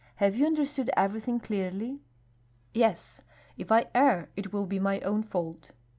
Have you understood everything clearly?" "Yes. If I err, it will be my own fault."